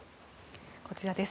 こちらです。